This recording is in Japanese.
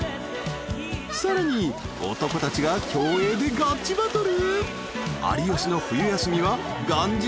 ［さらに男たちが競泳でガチバトル！？］